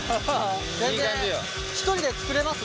全然一人で作れますね